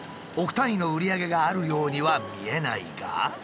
億単位の売り上げがあるようには見えないが。